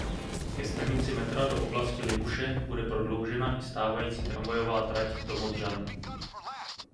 Ke stanici metra do oblasti Libuše bude prodloužena i stávající tramvajová trať do Modřan.